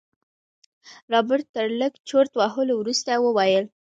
رابرټ تر لږ چورت وهلو وروسته وويل.